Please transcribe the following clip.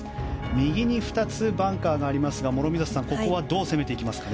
右に２つバンカーがありますが諸見里さんここはどう攻めていきますか？